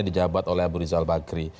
di jabat oleh abu rizal bakri